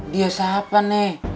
dia siapa nek